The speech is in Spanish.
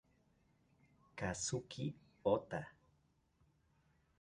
Kazuki Ota